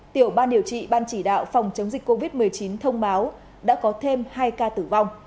tiểu ban điều trị ban chỉ đạo phòng chống dịch covid một mươi chín thông báo đã có thêm hai ca tử vong